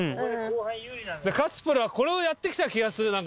勝プロはこれをやってきた気がする前。